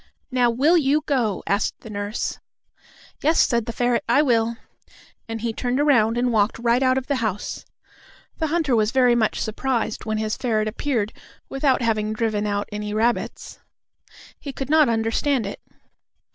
"Now will you go?" asked the nurse. "Yes," said the ferret, "I will," and he turned around and walked right out of the house. The hunter was very much surprised when his ferret appeared without having driven out any rabbits. He could not understand it.